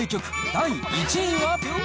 第１位は。